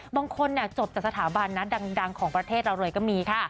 บางคนจบจากสถาบันนะดังของประเทศเราเลยก็มีค่ะ